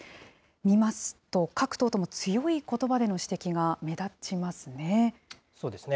見ますと、各党とも強いことばでの指摘が目立ちますね。